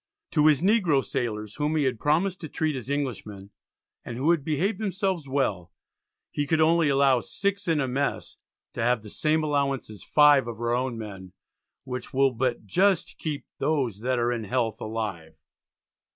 To his Negro sailors, whom he had promised to treat as Englishmen, and who had behaved themselves well, he could only allow 6 in a mess to have "the same allowance as 5 of our own men, which will but just keep those that are in health alive."